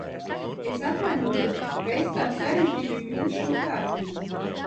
Es atvainojos, ka es tā sarežģīju jums šo kārtību.